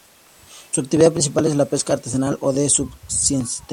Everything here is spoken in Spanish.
Su actividad principal es la pesca artesanal o de subsistencia.